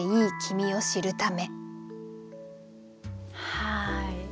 はい。